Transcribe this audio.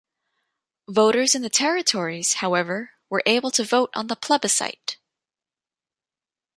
Voters in the territories, however, were able to vote on the plebiscite.